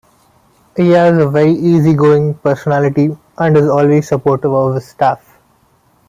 He has a very easy going personality, and is always supportive of his staff.